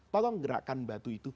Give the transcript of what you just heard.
tolong gerakan batu itu